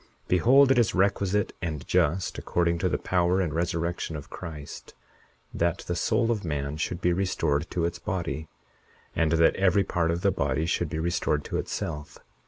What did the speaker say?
Behold, it is requisite and just, according to the power and resurrection of Christ, that the soul of man should be restored to its body, and that every part of the body should be restored to itself.